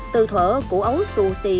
từ thở của ấu xù xì